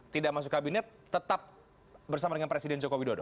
tidak masuk kabinet tetap bersama dengan presiden jokowi dodo